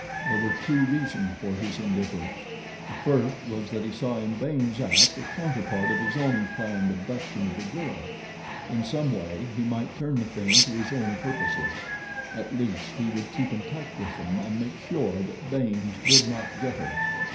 There were two reasons for his indifference. The first was that he saw in Baynes' act a counterpart of his own planned abduction of the girl. In some way he might turn the thing to his own purposes. At least he would keep in touch with them and make sure that Baynes did not get her.